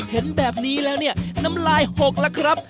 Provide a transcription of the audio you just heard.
เห็นแบบนี้แล้วเนี่ยน้ำลายหกล่ะครับ